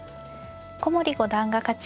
古森五段が勝ち